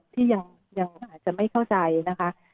ที่ยังอาจจะไม่เข้าใจนะคะ